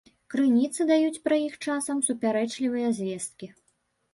Крыніцы даюць пра іх часам супярэчлівыя звесткі.